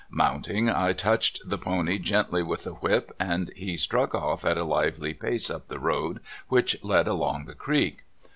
Mount ing, I touched the pony gently w^ith the whip, and he struck off at a lively pace up the road which led along the creek.